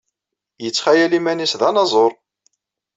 Yettxayal iman-nnes d anaẓur.